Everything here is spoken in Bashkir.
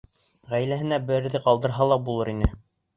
— Ғаиләһенә берҙе ҡалдырһа ла булыр ине.